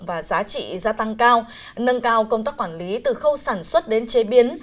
và giá trị gia tăng cao nâng cao công tác quản lý từ khâu sản xuất đến chế biến